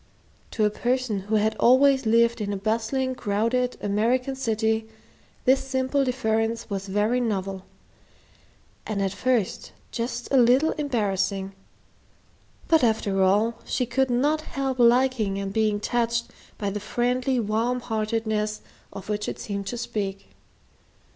To a person who had always lived in a bustling, crowded American city this simple deference was very novel, and at first just a little embarrassing; but after all, she could not help liking and being touched by the friendly warm heartedness of which it seemed to speak.